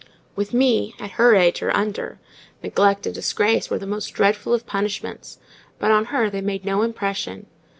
With me, at her age, or under, neglect and disgrace were the most dreadful of punishments; but on her they made no impression.